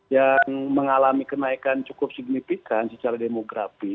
yang mengalami kenaikan cukup signifikan secara demografi